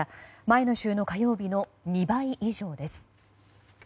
前の週の火曜日の２倍以上です。